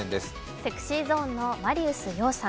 ＳｅｘｙＺｏｎｅのマリウス葉さん。